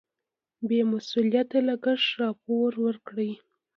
بې مسؤلیته لګښت راپور ورکړي.